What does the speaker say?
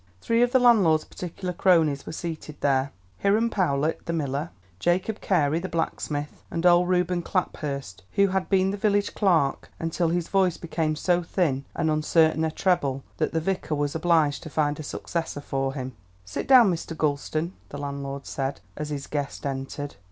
Three of the landlord's particular cronies were seated there: Hiram Powlett, the miller; and Jacob Carey, the blacksmith; and old Reuben Claphurst, who had been the village clerk until his voice became so thin and uncertain a treble that the vicar was obliged to find a successor for him. "Sit down, Mr. Gulston," the landlord said, as his guest entered.